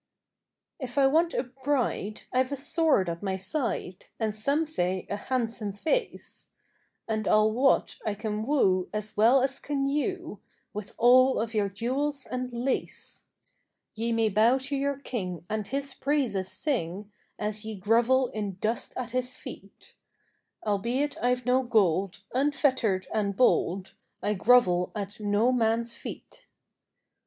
If I want a bride, I've a sword at my side, And some say a handsome face; And I'll wot I can woo as well as can you, With all of your jewels and lace. Ye may bow to your King, and his praises sing, As ye grovel in dust at his feet; Albeit I've no gold, unfettered and bold, I grovel at no man's feet.